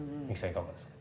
いかがですか？